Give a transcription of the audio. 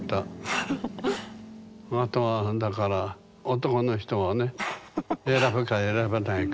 あとはだから男の人はね選ぶか選ばないか。